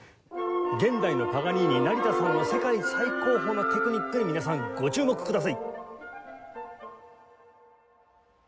現代のパガニーニ成田さんの世界最高峰のテクニックに皆さんご注目ください！